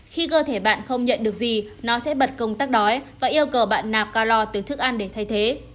khi cơ thể bạn không nhận được gì nó sẽ bật công tác đói và yêu cầu bạn nạp calor từ thức ăn để thay thế